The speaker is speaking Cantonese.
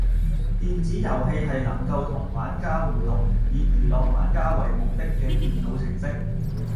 電子遊戲係能夠同玩家互動、以娛樂玩家為目的嘅電腦程式